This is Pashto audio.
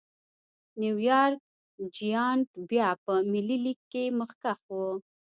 نیویارک جېانټ بیا په ملي لېګ کې مخکښ و.